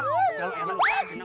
elah elah elah